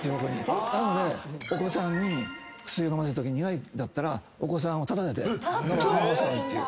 なのでお子さんに薬を飲ませるときに苦いんだったらお子さんを立たせて飲ませばいいっていう。